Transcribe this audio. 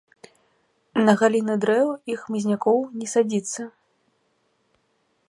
На галіны дрэў і хмызнякоў не садзіцца.